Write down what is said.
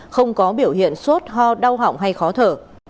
không có biểu hiện suốt ho đau hỏng hay khó thở